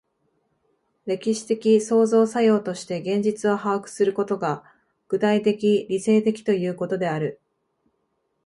歴史的創造作用として現実を把握することが、具体的理性的ということである。